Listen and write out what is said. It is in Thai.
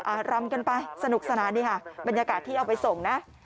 รำกันไปสนุกสนานนี่ค่ะบรรยากาศที่เอาไปส่งนะ